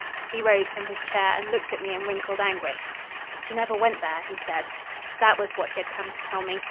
He rose from his chair and looked at me in wrinkled anguish. "She never went there," he said. That was what he had come to tell me.